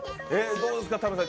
どうですか、田辺さん。